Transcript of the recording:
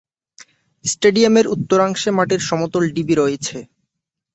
স্টেডিয়ামের উত্তরাংশে মাটির সমতল ঢিবি রয়েছে।